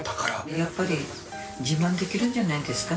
やっぱり、自慢できるんじゃないですかね。